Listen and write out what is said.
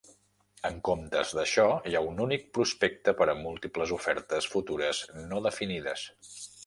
En comptes d'això, hi ha un únic prospecte per a múltiples ofertes futures no definides.